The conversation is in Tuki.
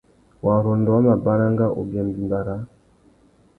Warrôndô wá mà baranga ubia mbîmbà râā.